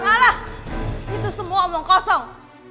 alah itu semua omong kosong